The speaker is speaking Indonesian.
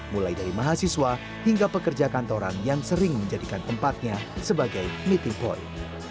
mulai dari mahasiswa hingga pekerja kantoran yang sering menjadikan tempatnya sebagai meeting point